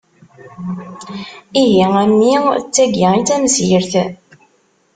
Ihi a mmi d tagi i d tamsirt!